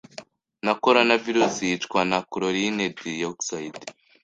na coronavirus yicwa na chlorine dioxide